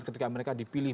ketika mereka dipilih